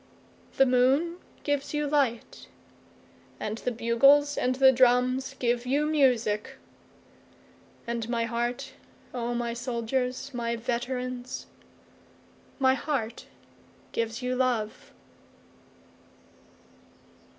9The moon gives you light, And the bugles and the drums give you music; And my heart, O my soldiers, my veterans, My heart gives you love.